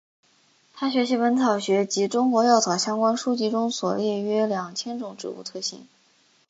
他学习本草学及中国药草相关书籍中所列约两千种植物特性。